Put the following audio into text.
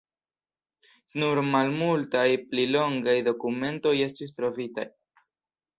Nur malmultaj pli longaj dokumentoj estis trovitaj.